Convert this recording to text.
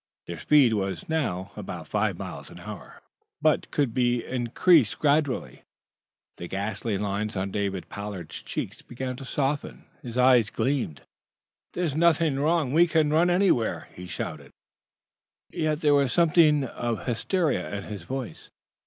Their speed was now about five miles an hour, but could be increased. Gradually, the ghastly lines on David Pollard's cheeks began to soften. His eyes gleamed. "There's nothing wrong! We can run anywhere!" he shouted. Yet there was something of hysteria in his voice.